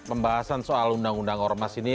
pembahasan soal undang undang ormas ini